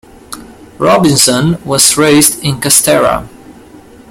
Robinson was raised in Castara.